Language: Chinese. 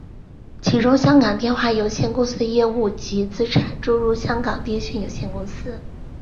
其中香港电话有限公司的业务及资产注入香港电讯有限公司。